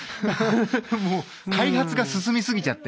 もう開発が進みすぎちゃって。